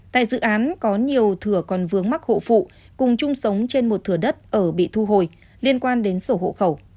tại dự án có nhiều thừa còn vướng mắc hộ phụ cùng chung sống trên một thừa đất ở bị thu hồi liên quan đến sổ hộ khẩu